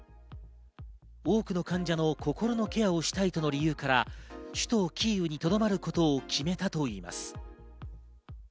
多くの患者の心のケアをしたいとの理由から首都キーウにとどまることを決めたといいます。